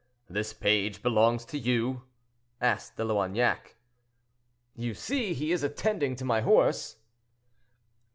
"The page belongs to you?" asked De Loignac. "You see, he is attending to my horse."